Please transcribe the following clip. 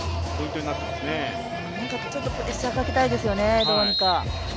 ちょっとプレッシャーかけたいですよね、どうにか。